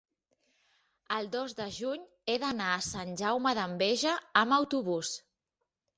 el dos de juny he d'anar a Sant Jaume d'Enveja amb autobús.